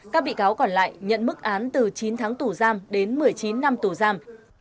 các bị cáo còn lại nhận mức án từ chín tháng tù giam đến một mươi chín năm tù giam